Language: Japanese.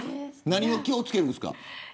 何を気を付けるんですか。